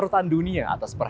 kepala kepala kepala